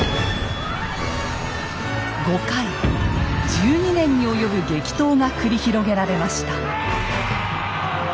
１２年に及ぶ激闘が繰り広げられました。